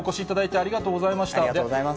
ありがとうございます。